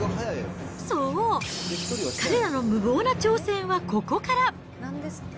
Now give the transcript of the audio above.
そう、彼らの無謀な挑戦はここから！